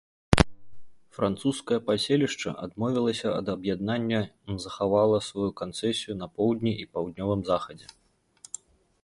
Французскае паселішча адмовілася ад аб'яднання м захавала сваю канцэсію на поўдні і паўднёвым захадзе.